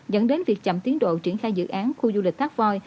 dẫn đến việc chậm tiến độ triển khai dự án khu du lịch cát voi